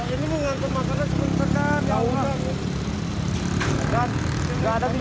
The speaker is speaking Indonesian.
ini mengantar makanan semua di petang